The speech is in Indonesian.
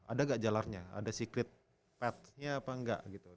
ada nggak jalannya ada secret pad nya apa enggak gitu